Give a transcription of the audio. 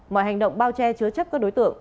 mọi hành động bao che chứa chấp các đối tượng